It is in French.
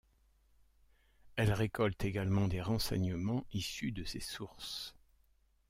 Elle récolte également des renseignements issus de ces sources.